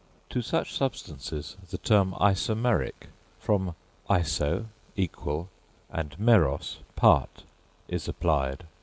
To such substances the term Isomeric (from 1/ao1/ equal and aei1/o1/ part) is applied.